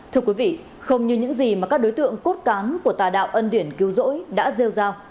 thưa quý vị không như những gì mà các đối tượng cốt cán của tà đạo ân điển cứu rỗi đã rêu rao